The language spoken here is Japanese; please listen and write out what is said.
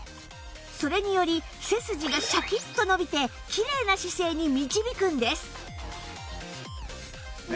それにより背筋がシャキッと伸びてキレイな姿勢に導くんです